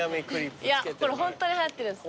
いやこれホントにはやってるんです。